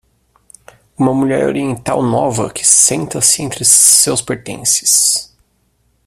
Uma mulher oriental nova que senta-se entre seus pertences.